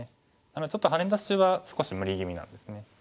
なのでちょっとハネ出しは少し無理ぎみなんですね。